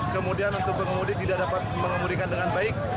kemudian untuk pengemudi tidak dapat mengemudikan dengan baik